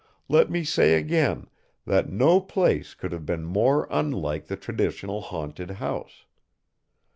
Let me say again that no place could have been more unlike the traditional haunted house.